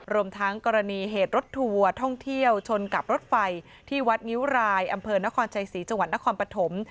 รวมทั้งกรณีเหตุรถทัวร์ท่องเที่ยวชนกับรถไฟที่วัดงิ้วรายอำเภอนครชัยศรีจังหวัดนครปฐม